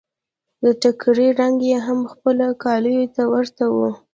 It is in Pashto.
د ټکري رنګ يې هم خپلو کاليو ته ورته و.